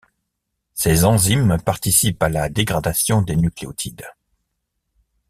Ces enzymes participent à la dégradation des nucléotides.